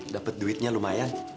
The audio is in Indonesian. dapet duitnya lumayan